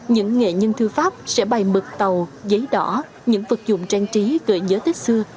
những nghệ nhân thư pháp sẽ bày mực tàu giấy đỏ những vật dụng trang trí gợi nhớ tết xưa